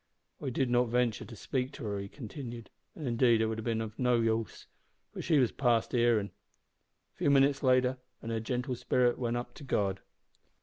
"I did not ventur' to speak to her," he continued, "an' indeed it would have been of no use, for she was past hearin'. A few minutes later and her gentle spirit went up to God.